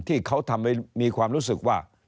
ที่เขาทำให้มีความรู้สึกว่า